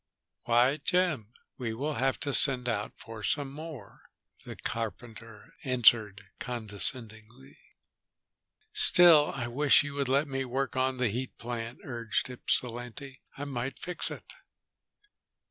"Why, Jim, we will have to send out for some more," the carpenter answered condescendingly. "Still, I wish you would let me work on that heat plant," urged Ypsilanti. "I might fix it."